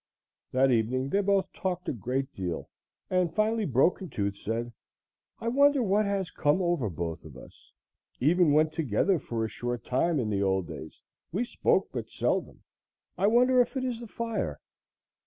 That evening they both talked a great deal, and finally Broken Tooth said: "I wonder what has come over both of us. Even when together for a short time in the old days, we spoke but seldom. I wonder if it is the fire."